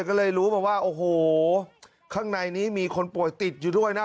ก็เลยรู้มาว่าโอ้โหข้างในนี้มีคนป่วยติดอยู่ด้วยนะ